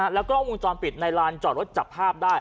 แล้วก็วงจรปิดในลานจอดรถจับภาพได้